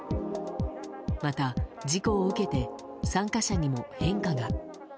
また事故を受けて参加者にも変化が。